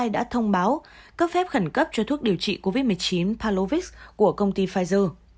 đã thông báo cấp phép khẩn cấp cho thuốc điều trị covid một mươi chín palovis của công ty pfizer